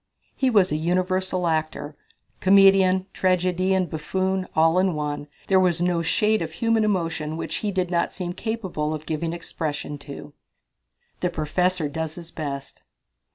He was a universal actor comedian, tragedian, buffoon all in one. There was no shade of human emotion which he did not seem capable of giving expression to. The Professor Does His Best.